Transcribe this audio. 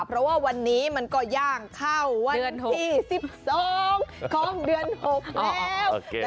เพราะว่าวันนี้มันก็ย่างเข้าวันที่๑๒ของเดือน๖แล้ว